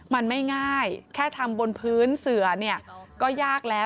มันไม่ง่ายแค่ทำบนพื้นเสือเนี่ยก็ยากแล้ว